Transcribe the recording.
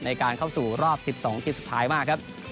ในการเข้าสู่รอบ๑๒ทีมสุดท้ายมากครับ